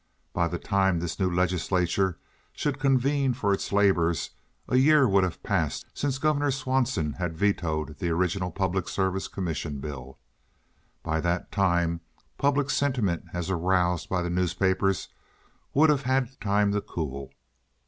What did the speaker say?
By the time this new legislature should convene for its labors a year would have passed since Governor Swanson had vetoed the original public service commission bill. By that time public sentiment as aroused by the newspapers would have had time to cool.